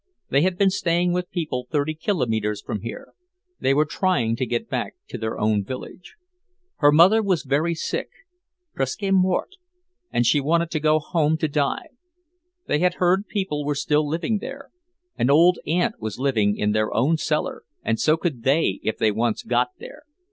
They had been staying with people thirty kilometers from here. They were trying to get back to their own village. Her mother was very sick, presque morte and she wanted to go home to die. They had heard people were still living there; an old aunt was living in their own cellar, and so could they if they once got there.